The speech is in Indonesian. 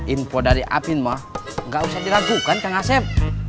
info dari apin mah gak usah diragukan kak ngasep